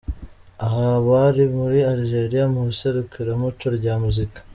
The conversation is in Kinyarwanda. Aha bari muri Algeria mu iserukiramuco rya Muzika.